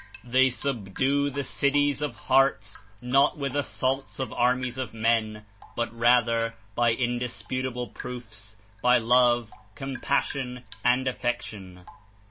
They subdue the cities of hearts, not with assaults of ar mies of men, but rather by indisputable proofs, by love, compassion and affection.